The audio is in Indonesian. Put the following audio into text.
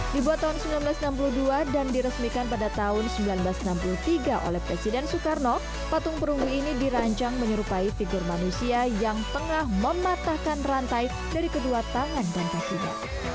dibuat tahun seribu sembilan ratus enam puluh dua dan diresmikan pada tahun seribu sembilan ratus enam puluh tiga oleh presiden soekarno patung perunggu ini dirancang menyerupai figur manusia yang tengah mematahkan rantai dari kedua tangan dan kakinya